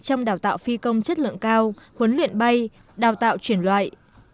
các trường đào tạo phi công chất lượng cao huấn luyện bay đào tạo chuyển loại